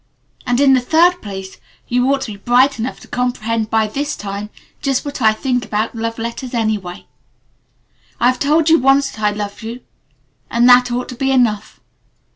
And in the third place, you ought to be bright enough to comprehend by this time just what I think about 'love letters' anyway. I have told you once that I love you, and that ought to be enough.